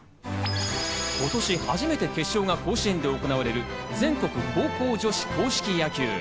今年初めて決勝が甲子園で行われる全国高校女子硬式野球。